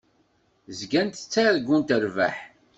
Zgant ttargunt rrbeḥ.